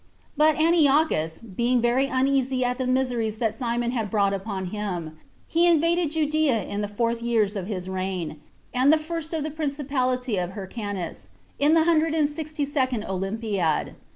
2. But Antiochus, being very uneasy at the miseries that Simon had brought upon him, he invaded Judea in the fourth years' of his reign, and the first year of the principality of Hyrcanus, in the hundred and sixty second olympiad.